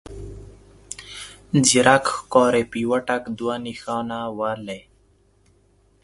ځيرک ښکاري په يوه ټک دوه نښانه ولي.